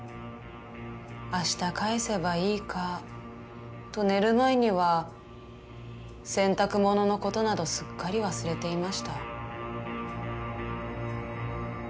明日返せばいいかと寝る前には洗濯物のことなどすっかり忘れていました。